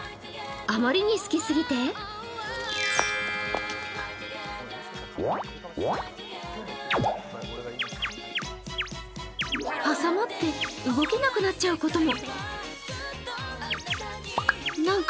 あまりに好きすぎて挟まって動けなくなっちゃうことも。